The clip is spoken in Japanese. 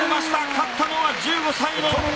「勝ったのは１５歳の浅田真央！」